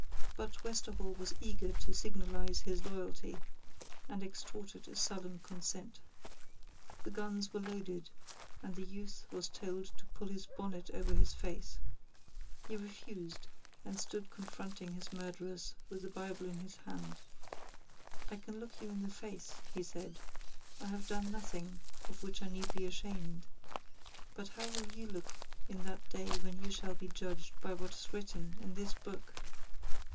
But Westerhall was eager to signalise his loyalty, and extorted a sullen consent. The guns were loaded, and the youth was told to pull his bonnet over his face. He refused, and stood confronting his murderers with the Bible in his hand. "I can look you in the face," he said; "I have done nothing of which I need be ashamed. But how will you look in that day when you shall be judged by what is written in this book?"